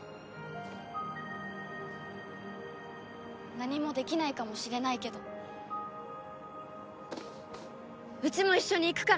何もできないかもしれないけどうちも一緒に行くから！